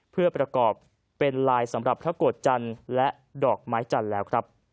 เพื่อประกอบเป็นลายสำหรับพระโกรธจันทร์และดอกไม้จันทร์แล้วครับ